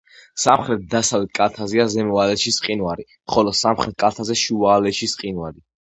სამხრეთ-დასავლეთ კალთაზეა ზემო ალეჩის მყინვარი, ხოლო სამხრეთ კალთაზე შუა ალეჩის მყინვარი.